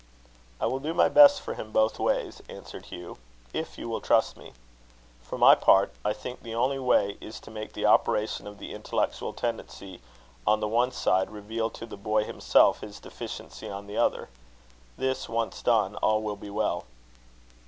"I will do my best for him both ways," answered Hugh, "if you will trust me. For my part, I think the only way is to make the operation of the intellectual tendency on the one side, reveal to the boy himself his deficiency on the other. This once done, all will be well."